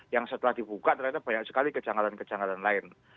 yang setelah dibuka ternyata banyak sekali kejanggalan kejanggalan lain